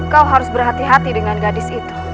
kau harus berhati hati dengan gadis itu